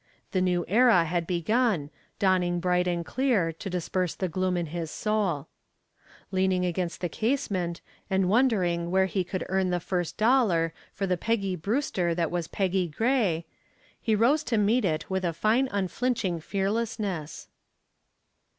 The new era had begun, dawning bright and clear to disperse the gloom in his soul. Leaning against the casement and wondering where he could earn the first dollar for the Peggy Brewster that was Peggy Gray, he rose to meet it with a fine unflinching fearlessness.